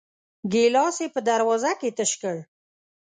ګيلاس يې په دروازه کې تش کړ.